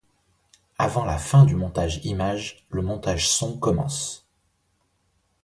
Avant la fin du montage image, le montage son commence.